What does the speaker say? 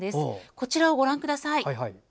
こちらをご覧ください。